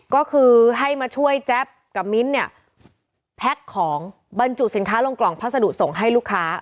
ก็คือให้มาช่วยแจ๊บกับมิ้นเนี่ยแพ็คของบรรจุสินค้าลงกล่องพัสดุส่งให้ลูกค้า